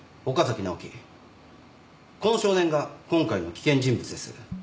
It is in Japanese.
この少年が今回の危険人物です。